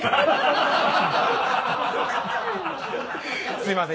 すいません。